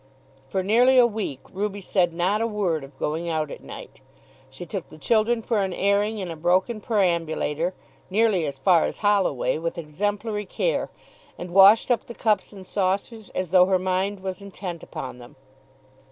For nearly a week Ruby said not a word of going out at night. She took the children for an airing in a broken perambulator, nearly as far as Holloway, with exemplary care, and washed up the cups and saucers as though her mind was intent upon them.